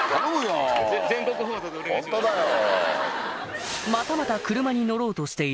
ホントだよ。